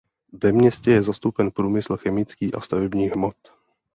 Ve městě je zastoupen průmysl chemický a stavebních hmot.